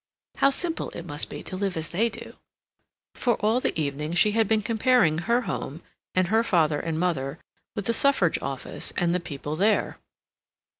How simple it must be to live as they do!" for all the evening she had been comparing her home and her father and mother with the Suffrage office and the people there.